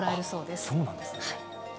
そうなんですね。